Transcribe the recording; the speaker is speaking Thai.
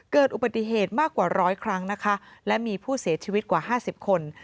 เกิดอุบัติเหตุมากกว่าร้อยครั้งนะคะและมีผู้เสียชีวิตกว่า๕๐คน